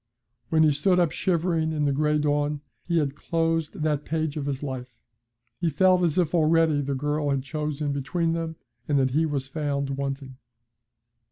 When he stood up shivering in the gray dawn, he had closed that page of his life. He felt as if already the girl had chosen between them, and that he was found wanting.